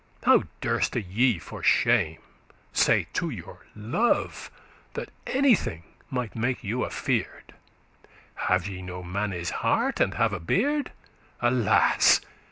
*braggart How durste ye for shame say to your love That anything might make you afear'd? Have ye no manne's heart, and have a beard? Alas!